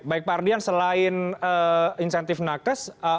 baik pak ardian selain insentif nakes